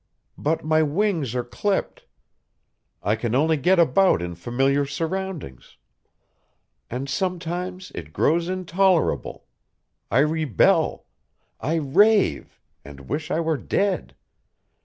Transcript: But my wings are clipped. I can only get about in familiar surroundings. And sometimes it grows intolerable. I rebel. I rave and wish I were dead.